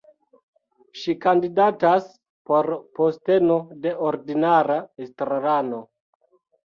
Ŝi kandidatas por posteno de ordinara estrarano.